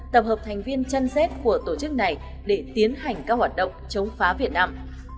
tập hợp thành viên chân xét của tổ chức này để tiến hành các hoạt động chống phá việt nam